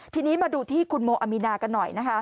ทีนี้มาดูที่คุณโมอามีนากันหน่อยนะคะ